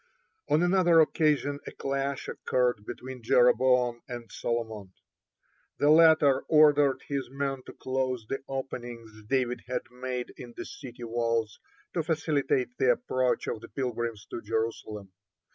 (1) On another occasion a clash occurred between Jeroboam and Solomon. The latter ordered his men to close the openings David had made in the city wall to facilitate the approach of the pilgrims to Jerusalem.